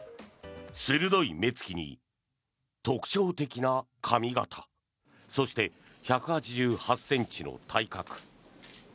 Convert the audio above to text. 鋭い目付きに特徴的な髪形そして、１８８ｃｍの体格。